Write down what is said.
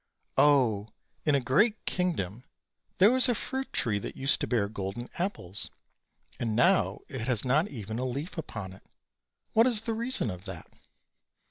"Oh! in a great kingdom there was a fruit tree that used to bear golden apples, and now it has not even a leaf upon it; what is the reason of that?"